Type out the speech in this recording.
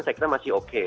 saya kira masih oke